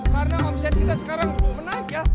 karena omset kita sekarang menaik ya